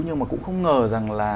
nhưng mà cũng không ngờ rằng là